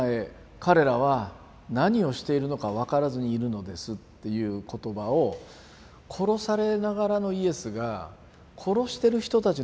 彼らは何をしているのかわからずにいるのです」っていう言葉を殺されながらのイエスが殺してる人たちのことを祈るんですね。